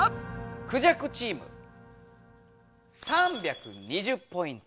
クジャクチーム３２０ポイント。